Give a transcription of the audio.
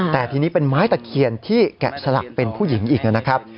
แต่ทีนี้เป็นไม้ตะเคียนที่แกะสลักเป็นผู้หญิงอีกนะครับ